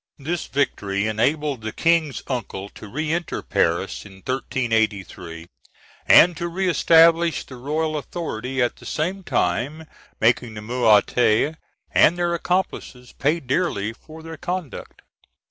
This victory enabled the King's uncles to re enter Paris in 1383, and to re establish the royal authority, at the same time making the Maillotins and their accomplices pay dearly for their conduct.